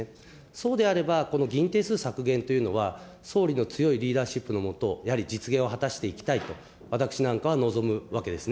そうであれば、この議員定数削減というのは、総理の強いリーダーシップの下、やはり実現を果たしていきたいと、私なんかは望むわけですね。